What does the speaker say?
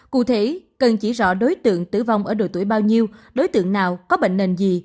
cụ thể cần chỉ rõ đối tượng tử vong ở độ tuổi bao nhiêu đối tượng nào có bệnh nền gì